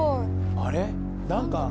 あれ。